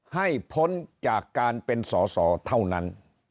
ให้พ้นจากการเป็นสอสอเท่านั้น